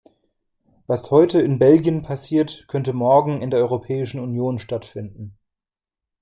Was heute in Belgien passiert, könnte morgen in der Europäischen Union stattfinden.